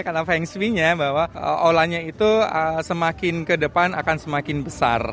karena feng shui nya bahwa olanya itu semakin ke depan akan semakin besar